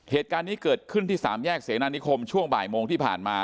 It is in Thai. เหตุการณ์นี้เกิดขึ้นที่สามแยกเสนานิคมช่วงบ่ายโมงที่ผ่านมา